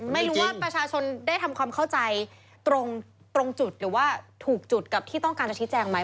ไม่รู้ว่าประชาชนได้ทำความเข้าใจตรงจุดหรือว่าถูกจุดกับที่ต้องการจะชี้แจงไหม